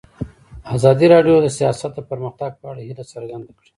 ازادي راډیو د سیاست د پرمختګ په اړه هیله څرګنده کړې.